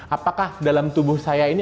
apakah dalam tubuh saya ini